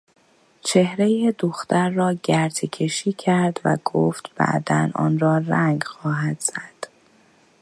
چهرهی دختر را گرتهکشی کرد و گفت بعدا آنرا رنگ خواهد زد.